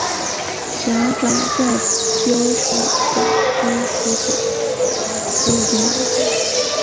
假掌袋貂属等之数种哺乳动物。